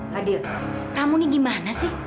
fadil kamu nih gimana sih